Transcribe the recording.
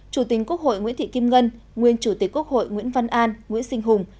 chủ tịch quốc hội nguyễn thị kim ngân nguyên chủ tịch quốc hội nguyễn văn an nguyễn sinh hùng